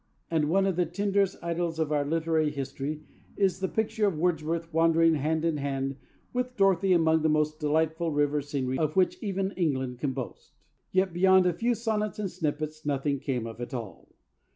And one of the tenderest idylls of our literary history is the picture of Wordsworth wandering hand in hand with Dorothy among the most delightful river scenery of which even England can boast. Yet, beyond a few sonnets and snippets, nothing came of it all.